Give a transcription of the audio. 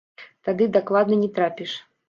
Тады дакладна не трапіш.